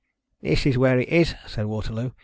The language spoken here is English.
"This is where it is," said Waterloo.